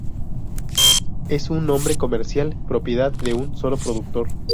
Es un nombre comercial, propiedad de un solo productor.